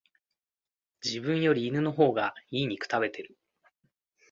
自分より犬の方が良い肉食べてる